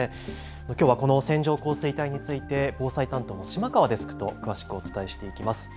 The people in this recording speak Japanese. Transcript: きょうはこの線状降水帯について防災担当の島川デスクと詳しくお伝えしていきます。